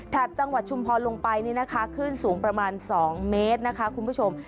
จังหวัดชุมพรลงไปนี่นะคะคลื่นสูงประมาณ๒เมตรนะคะคุณผู้ชม